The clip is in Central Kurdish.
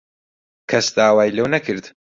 کەس داوای لەو نەکرد.